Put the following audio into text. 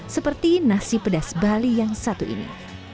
seperti nasi pedas bali yang satu ini